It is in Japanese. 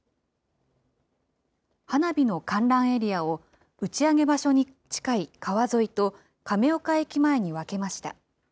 花火の観覧エリアを、打ち上げ場所に近い川沿いと、亀岡駅前に分けました。